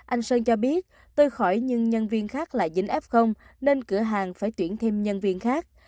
anh sơn cho biết tôi khỏi nhưng nhân viên khác là dính f nên cửa hàng phải tuyển thêm nhân viên khác